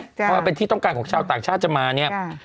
เพราะว่าเป็นที่ต้องการของชาวต่างชาติจะมาเนี่ย